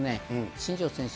新庄選手